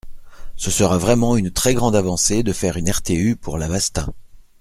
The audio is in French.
Ce sera vraiment une très grande avancée de faire une RTU pour l’Avastin.